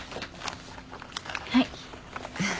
はい。